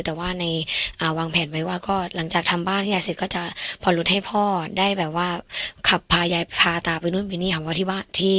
แต่ว่าในวางแผนไว้ว่าก็หลังจากทำบ้านที่ยายเสร็จก็จะพอลดให้พ่อได้แบบว่าขับพายายพาตาไปนู่นไปนี่ค่ะที่บ้านต่างจังหวัดยังไม่มีรถ